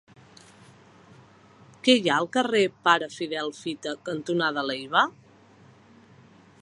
Què hi ha al carrer Pare Fidel Fita cantonada Leiva?